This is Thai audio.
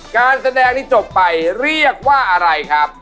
การแสดงนี่จบไปเรียกว่าอะไรครับ